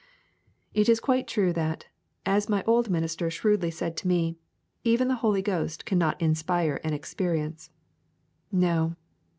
It is quite true, that, as my old minister shrewdly said to me, even the Holy Ghost cannot inspire an experience. No.